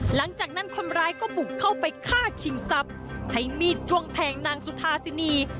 หลังจากนั้นคนร้ายก็บุกเข้าไปฆ่าชิงทรัพย์ใช้มีดจ้วงแทงนางสุธาสินี